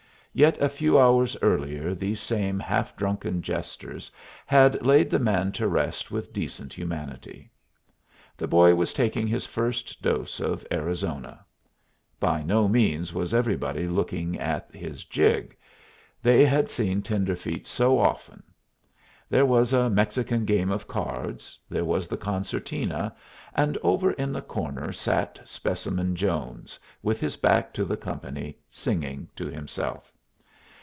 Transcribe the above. Yet a few hours earlier these same half drunken jesters had laid the man to rest with decent humanity. The boy was taking his first dose of Arizona. By no means was everybody looking at his jig. They had seen tenderfeet so often. There was a Mexican game of cards; there was the concertina; and over in the corner sat Specimen Jones, with his back to the company, singing to himself.